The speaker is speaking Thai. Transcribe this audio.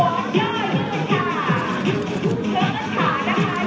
ออกแปลงต้นแผนเครื่องหัวไหล่กัน